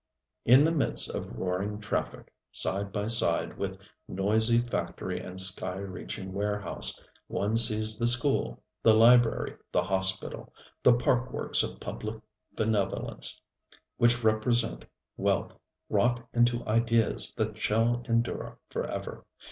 In the midst of roaring traffic, side by side with noisy factory and sky reaching warehouse, one sees the school, the library, the hospital, the park works of public benevolence which represent wealth wrought into ideas that shall endure forever.